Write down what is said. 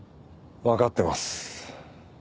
わかってます。